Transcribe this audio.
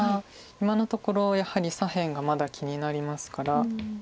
今のところやはり左辺がまだ気になりますから。